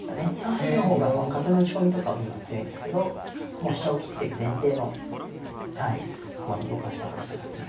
３八の方が角の打ち込みとかには強いんですけどもう飛車を切ってく前提の駒の動かし方をしてますね。